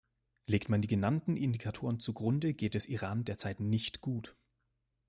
Legt man die genannten Indikatoren zugrunde, geht es Iran derzeit nicht gut.